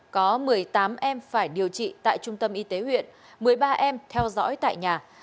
có một mươi tám em phải điều trị tại trung tâm y tế huyện một mươi ba em theo dõi tại nhà